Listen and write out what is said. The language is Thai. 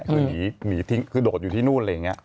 คือหนีทิ้งคือโดดอยู่ที่นู่นอะไรอย่างนี้